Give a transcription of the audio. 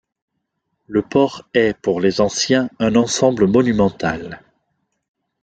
Le port est, pour les Anciens, un ensemble monumental.